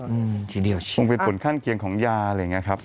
อืมทีเดียวชิบคงเป็นผลขั้นเคียงของยาอะไรอย่างนี้ครับ